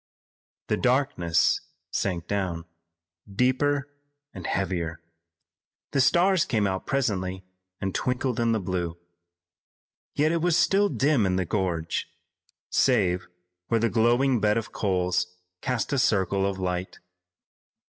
The darkness sank down, deeper and heavier. The stars came out presently and twinkled in the blue. Yet it was still dim in the gorge, save where the glowing bed of coals cast a circle of light.